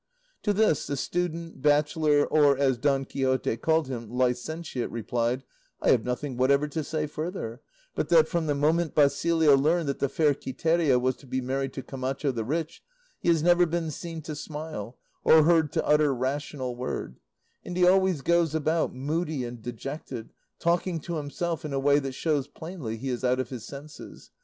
To this the student, bachelor, or, as Don Quixote called him, licentiate, replied, "I have nothing whatever to say further, but that from the moment Basilio learned that the fair Quiteria was to be married to Camacho the rich, he has never been seen to smile, or heard to utter rational word, and he always goes about moody and dejected, talking to himself in a way that shows plainly he is out of his senses.